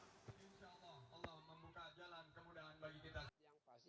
insya allah allah membuka jalan kemudahan bagi kita